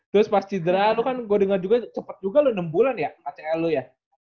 terus pas cidera lu kan gua denger cepet juga lu enam bulan ya acl lu ya